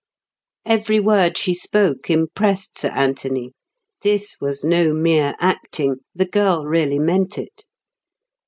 Every word she spoke impressed Sir Anthony. This was no mere acting; the girl really meant it.